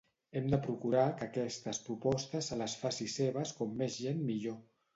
Hem de procurar que aquestes propostes se les faci seves com més gent millor.